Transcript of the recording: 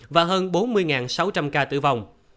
và hơn bốn mươi sáu trăm linh ca tử vong